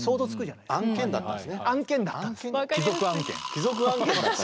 貴族案件だった。